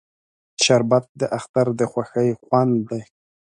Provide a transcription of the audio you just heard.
شربت د اختر د خوښۍ خوند دی